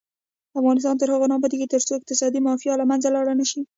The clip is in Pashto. افغانستان تر هغو نه ابادیږي، ترڅو اقتصادي مافیا له منځه لاړه نشي.